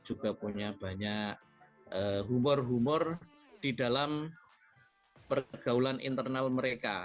juga punya banyak humor humor di dalam pergaulan internal mereka